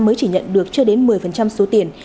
mới chỉ nhận được chưa đến một mươi số tiền